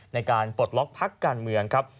ในการปลดล็อกพักการเมืองครับ